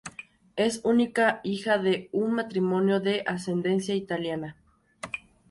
Es única hija de un matrimonio de ascendencia italiana.